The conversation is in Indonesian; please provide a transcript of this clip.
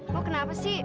kok kenapa sih